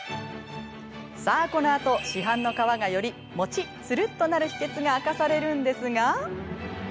さあこのあと市販の皮がよりもちっつるっとなる秘けつが明かされるんですが。